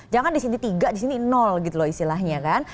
jangan di sini tiga di sini nol gitu loh istilahnya kan